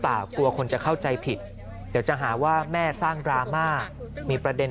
กลัวคนจะเข้าใจผิดเดี๋ยวจะหาว่าแม่สร้างดราม่ามีประเด็น